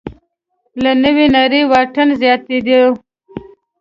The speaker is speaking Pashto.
له نوې نړۍ واټن زیاتېدو